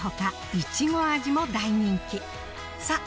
いちご味も大人気さぁ